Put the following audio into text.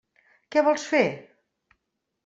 Què vols fer?